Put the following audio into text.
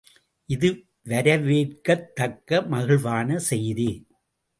இது வரவேற்கத்தக்க மகிழ்வான செய்தி.